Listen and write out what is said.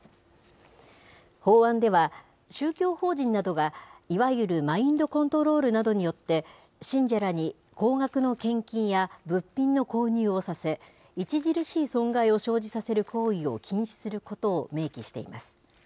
法案では、宗教法人などがいわゆるマインドコントロールなどによって、信者らに高額の献金や物品の購入をさせ、著しい損害を生じさせる行為を禁止することを明記しています。